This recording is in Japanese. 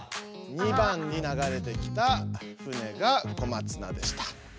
２番に流れてきた船が小松菜でした。